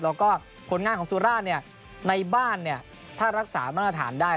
แล้วก็ผลงานของสุราชในบ้านถ้ารักษามาตรฐานได้